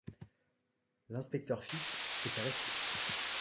L’inspecteur Fix était resté.